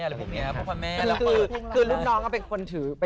คือลูกน้องก็เป็นคนถือ